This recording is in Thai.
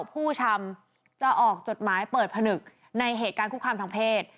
ผู้ชำจะออกจดหมายเปิดผนึกในเหตุการณ์คุกคามทางเพศ